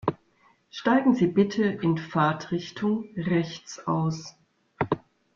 Steigen Sie bitte in Fahrtrichtung rechts aus.